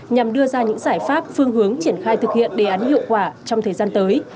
nhằm đưa ra những giải pháp phương hướng triển khai thực hiện đề án hiệu quả trong thời gian tới